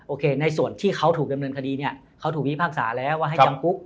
โอเคในส่วนที่เขาถูกดำเนินคดีเนี่ยเขาถูกพิพากษาแล้วว่าให้จำคุก